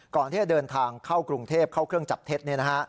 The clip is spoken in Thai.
ก่อนที่จะเดินทางเข้ากรุงเทพเข้าเครื่องจับเท็จเนี่ยนะฮะ